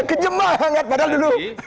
kejemah banget padahal dulu